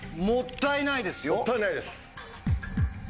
もったいないです。